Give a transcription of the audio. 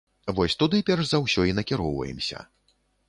Вось туды перш за ўсё і накіроўваемся.